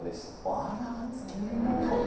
あらー、漬物。